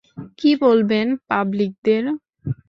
কী বলবেন পাবলিকদের?